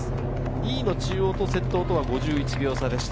２位の中央と先頭とは５１秒差でした。